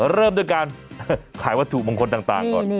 เริ่มด้วยการขายวัตถุบังคลต่าง